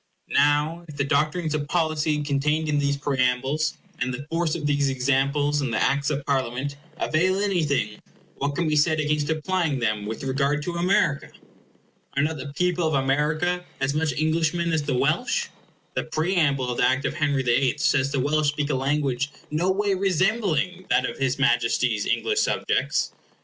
Now if the doctrines of policy contained in these preambles, and the force of these examples in the Acts of Parliaments, avail anything, what can be said against applying them with regard to America? Are not the people of America as much Englishmen as the Welsh? The preamble of the Act of Henry the Eighth says the Welsh speak a language no way resembling that of his Majesty's English subjects.